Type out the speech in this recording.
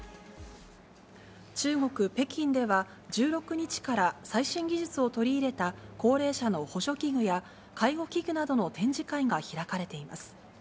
中国・北京では、１６日から最新技術を取り入れた、高齢者の補助器具や介護器具などの展示会が開かれています。